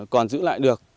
còn giữ lại được